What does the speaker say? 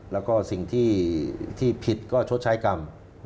แล้วก็สิ่งที่ผิดก็ชดใช้กรรม